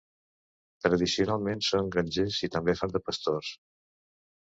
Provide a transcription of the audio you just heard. Tradicionalment són grangers i també fan de pastors.